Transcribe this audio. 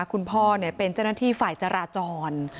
คุณพ่อเป็นเจ้าหน้าที่ฝ่ายจราจร